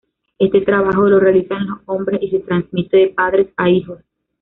Este trabajo lo realizan los hombres y se transmite de padre a hijos.